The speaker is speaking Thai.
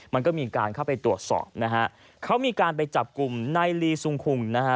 มันก็มีการเข้าไปตรวจสอบนะฮะเขามีการไปจับกลุ่มนายลีซุงคุงนะฮะ